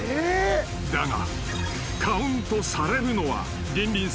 ［だが］